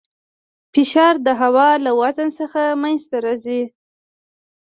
فشار د هوا له وزن څخه منځته راځي.